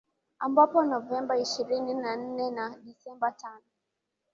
ambapo novemba ishirini na nne na desemba tano